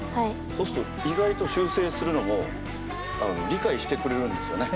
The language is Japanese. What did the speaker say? そうすると意外と修正するのも理解してくれるんですよね。